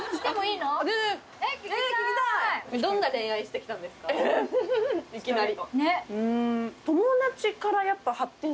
いきなり。